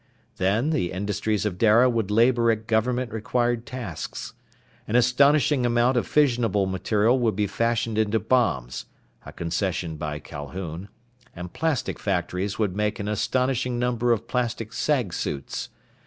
Then, the industries of Dara would labor at government required tasks. An astonishing amount of fissionable material would be fashioned into bombs a concession by Calhoun and plastic factories would make an astonishing number of plastic sag suits.